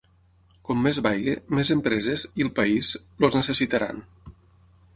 Com més vagi, més empreses –i el país– els necessitaran.